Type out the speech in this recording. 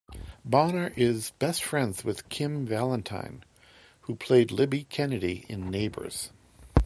Bonner is best friends with Kym Valentine, who played Libby Kennedy in "Neighbours".